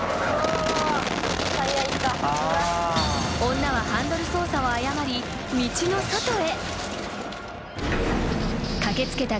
［女はハンドル操作を誤り道の外へ］